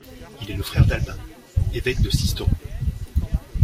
Il est le frère d'Albin, évêque de Sisteron.